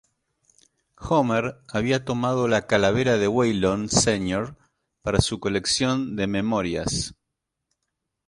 Homer había tomado la calavera de Waylon Sr. para su colección de "Memorias".